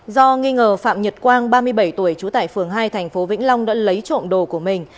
do nghi ngờ phạm nhật quang ba mươi bảy tuổi chú tại phường hai tp vĩnh long đã lấy trộm đồ của mình